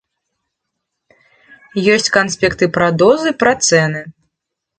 Ёсць канспекты пра дозы, пра цэны.